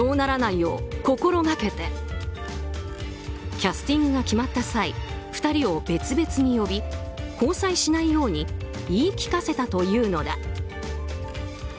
キャスティングが決まった際２人を別々に呼び交際しないように言い聞かせたというのだ。